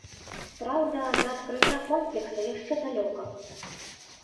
Праўда, да адкрыцця комплекса яшчэ далёка.